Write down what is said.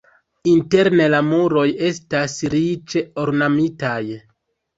Interne la muroj estas riĉe ornamitaj.